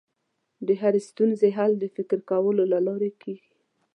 د هرې ستونزې حل د فکر کولو له لارې کېږي.